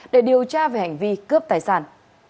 để điều tra về hành vi cướp tài sản